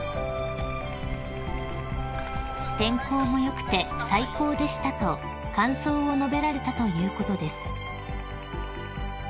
［「天候も良くて最高でした」と感想を述べられたということです］